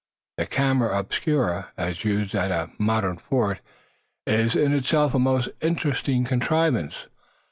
The "camera obscura," as used at a modern fort, is in itself a most interesting contrivance.